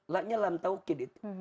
la nya lam tauqid